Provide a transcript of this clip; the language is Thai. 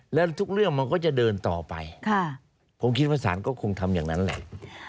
แล้วทุกเรื่องมันก็จะเดินต่อไปผมคิดว่าศาลก็คงทำอย่างนั้นแหละ